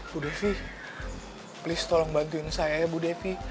bu devi please tolong bantuin saya ya bu devi